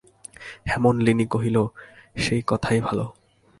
হেমনলিনী কহিল, সেই কথাই ভালো।